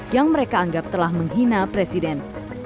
yang mereka anggap telah menghina presiden